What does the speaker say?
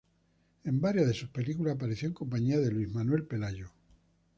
En varias de sus películas, apareció en compañía de Luis Manuel Pelayo.